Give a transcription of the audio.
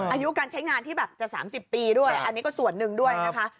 อายุการใช้งานที่แบบจะ๓๐ปีด้วยอันนี้ก็ส่วนหนึ่งด้วยนะคะ